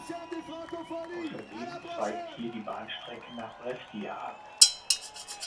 Außerdem zweigt hier die Bahnstrecke nach Brescia ab.